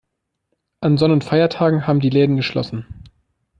An Sonn- und Feiertagen haben die Läden geschlossen.